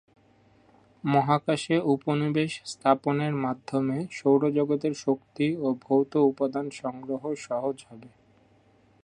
মহাকাশে উপনিবেশ স্থাপনের মাধ্যমে সৌরজগতের শক্তি ও ভৌত উপাদান সংগ্রহ সহজ হবে।